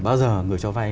bao giờ người cho vay